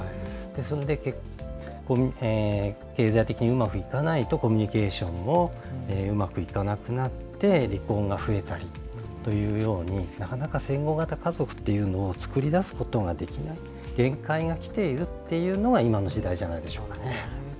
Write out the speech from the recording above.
結婚、経済的にうまくいかないとコミュニケーションもうまくいかなくなって離婚が増えたりというようになかなか戦後型家族っていうのを作り出すことは限界が来ているっていうのが今の時代じゃないでしょうかね。